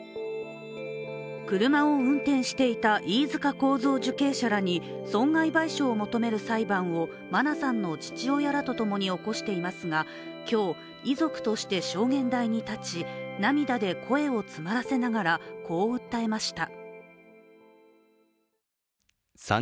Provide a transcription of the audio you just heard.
車を運転していた飯塚幸三受刑者らに損害賠償を求める裁判を真菜さんの父親らと起こしていますが今日、遺族として証言台に立ち涙で声を詰まらせながらこう訴えました。